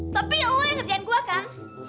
tapi lo yang kerjain gue kan